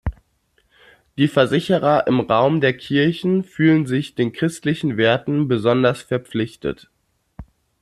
Die Versicherer im Raum der Kirchen fühlen sich den christlichen Werten besonders verpflichtet.